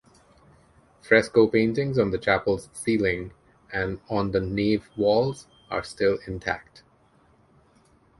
Fresco paintings on the chapel's ceiling and on the nave walls are still intact.